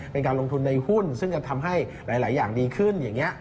เป็นการลงทุนในหุ้นซึ่งจะทำให้หลายอย่างดีขึ้นอย่างนี้